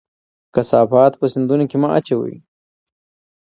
کثافات په سیندونو کې مه اچوئ.